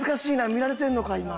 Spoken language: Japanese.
見られてるのか今。